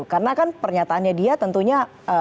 karena kan pernyataannya dia tentunya